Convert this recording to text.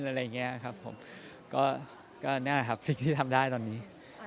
นี่คือสิ่งที่น่าสามารถมาทำได้ตอนนี้